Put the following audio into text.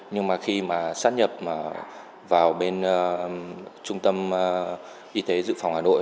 nhưng mà khi mà sát nhập vào bên trung tâm y tế dự phòng hà nội